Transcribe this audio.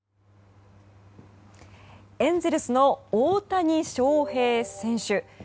エンゼルスの大谷翔平選手。